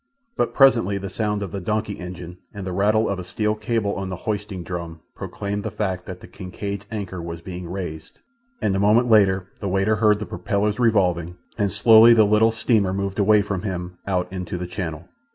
But presently the sound of the donkey engine and the rattle of a steel cable on the hoisting drum proclaimed the fact that the Kincaid's anchor was being raised, and a moment later the waiter heard the propellers revolving, and slowly the little steamer moved away from him out into the channel.